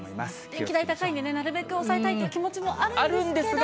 電気代、高いんでね、なるべく抑えたいっていう気持ちもあるんですが。